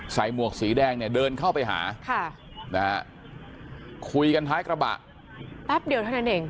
หมวกสีแดงเนี่ยเดินเข้าไปหานะฮะคุยกันท้ายกระบะแป๊บเดียวเท่านั้นเอง